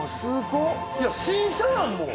「いや新車やんもう。